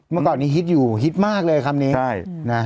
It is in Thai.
เมื่อก่อนนี้ฮิตอยู่ฮิตมากเลยคำนี้ใช่นะ